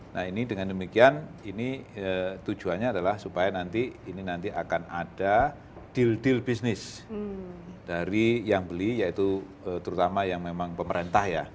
nah ini dengan demikian ini tujuannya adalah supaya nanti ini nanti akan ada deal deal bisnis dari yang beli yaitu terutama yang memang pemerintah ya